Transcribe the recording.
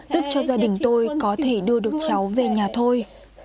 giúp cho gia đình tôi có thể đưa được cháu về nhà thôi